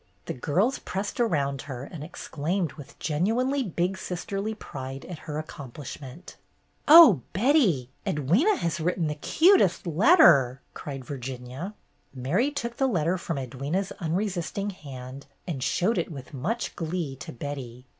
The girls pressed around her and exclaimed with genuine big sisterly pride at her accom plishment. A CITY HISTORY CLUB i8i ^'Oh, Betty, Edwyna has written the cutest letter!'' cried Virginia. Mary took the letter from Edwyna's un resisting hand and showed it with much glee to Betty.